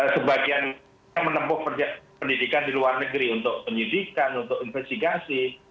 sebagian menempuh pendidikan di luar negeri untuk penyidikan untuk investigasi